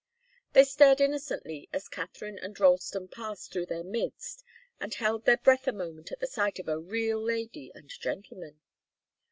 They stared innocently as Katharine and Ralston passed through their midst, and held their breath a moment at the sight of a real lady and gentleman.